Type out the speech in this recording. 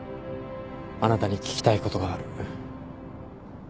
あなたに聞きたいことがある